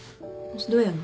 どうやんの？